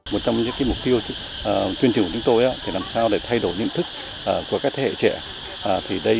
một trong những mục tiêu chuyên trình của chúng tôi là làm sao để thay đổi niệm thức của các thế hệ trẻ